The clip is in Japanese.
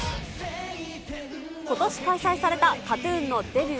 ことし開催されたＫＡＴーＴＵＮのデビュー